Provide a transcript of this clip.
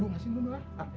lo ngasih dulu lah